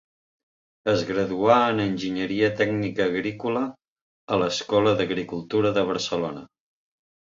Es graduà en Enginyeria Tècnica Agrícola a l'Escola d'Agricultura de Barcelona.